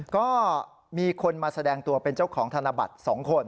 ก็มีคนมาแสดงตัวเป็นเจ้าของธนบัตร๒คน